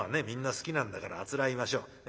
みんな好きなんだからあつらえましょう。